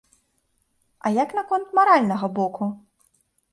А як наконт маральнага боку?